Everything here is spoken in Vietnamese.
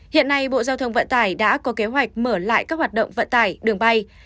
hiện nay bộ giao thông vận tải đã có kế hoạch mở lại các hoạt động vận tải đường bay